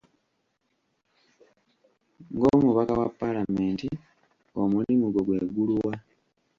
Ng'omubaka wa palamenti, omulimu gwo gwe guli wa?